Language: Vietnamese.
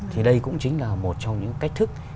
thì đây cũng chính là một trong những cách thức